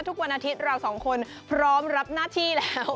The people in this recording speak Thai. ทุกวันอาทิตย์เราสองคนพร้อมรับหน้าที่แล้ว